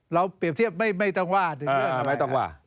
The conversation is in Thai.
เราเปรียบเทียบไม่ต้องว่าถึงเรื่องอะไร